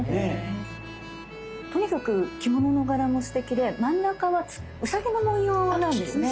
とにかく着物の柄もすてきで真ん中はウサギの文様なんですね。